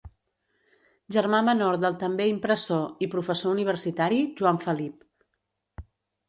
Germà menor del també impressor –i professor universitari– Joan Felip.